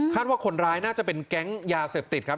ว่าคนร้ายน่าจะเป็นแก๊งยาเสพติดครับ